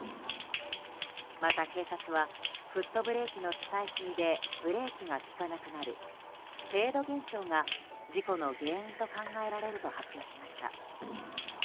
また、警察はフットブレーキの使い過ぎでブレーキが利かなくなるフェード現象が事故の原因と考えられると発表しました。